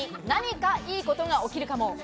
何かいいことが起きるかも。